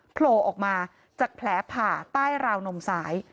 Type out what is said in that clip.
โผล่ออกมาจากแผลผ่าใต้ราวนมซ้าย